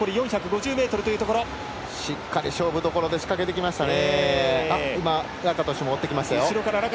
しっかり勝負どころで仕掛けてきましたね。